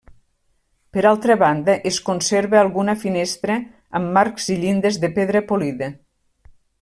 Per altra banda, es conserva alguna finestra amb marcs i llindes de pedra polida.